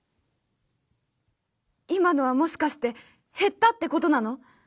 『今のはもしかして減ったってことなの？』。